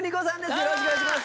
よろしくお願いします